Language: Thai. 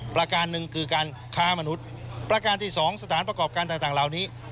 ประการหนึ่งคือการค้ามนุษย์ประการที่สองสถานประกอบการต่างเหล่านี้